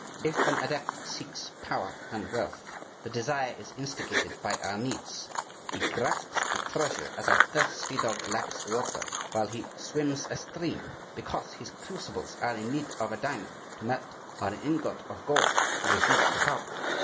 If an adept seeks power and wealth, the desire is instigated by our needs; he grasps treasure as a thirsty dog laps water while he swims a stream, because his crucibles are in need of a diamond to melt or an ingot of gold to reduce to powder.